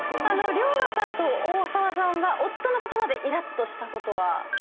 遼河さんと大沢さんが夫の言葉でイラッとしたことは？